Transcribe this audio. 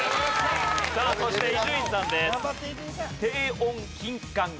さあそして伊集院さんです。